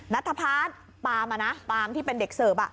นัตภาษณ์ปาล์มที่เป็นเด็กเสิร์ฟ